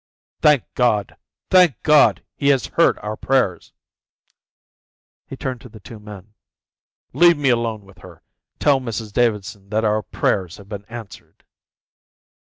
"Thank God! thank God! He has heard our prayers." He turned to the two men. "Leave me alone with her. Tell Mrs Davidson that our prayers have been answered."